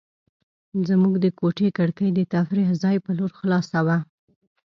زموږ د کوټې کړکۍ د تفریح ځای په لور خلاصه وه.